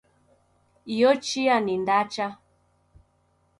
Iyo chia ni ndacha